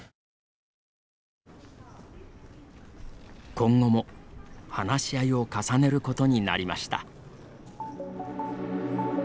今後も話し合いを重ねることになりました。